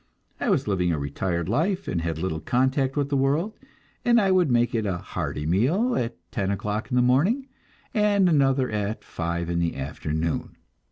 I was living a retired life, and had little contact with the world, and I would make a hearty meal at ten o'clock in the morning, and another at five in the afternoon.